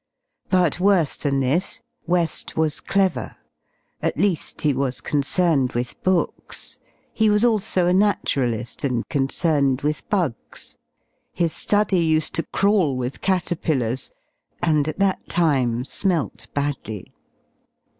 But worse than this, JVeft was clever — atleaftyhe was concerned with books; he was also a naturalist y ,^^ and concerned with hugs; his §iudy used to crawl with cater *" pillars t and at that time smelt badly.